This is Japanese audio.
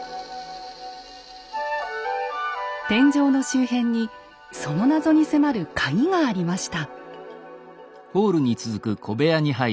天井の周辺にその謎に迫るカギがありました。